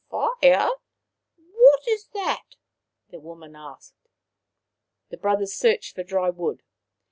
" Fire ! What is that ?" the woman asked. The brothers searched for dried wood.